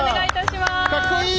かっこいい！